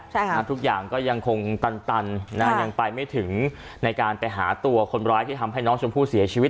ใช่ค่ะทุกอย่างก็ยังคงตันตันยังไปไม่ถึงในการไปหาตัวคนร้ายที่ทำให้น้องชมพู่เสียชีวิต